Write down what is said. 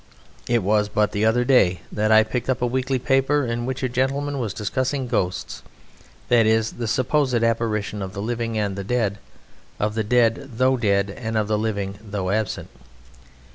It was but the other day that I picked up a weekly paper in which a gentleman was discussing ghosts that is, the supposed apparition of the living and the dead: of the dead though dead, and of the living though absent.